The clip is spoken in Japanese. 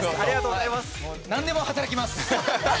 なんでも働きます！